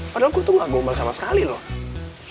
padahal aku tuh gak gombal sama sekali loh